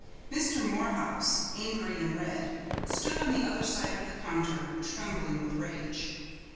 Mr. Morehouse, angry and red, stood on the other side of the counter, trembling with rage.